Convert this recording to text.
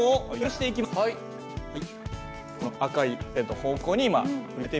はい。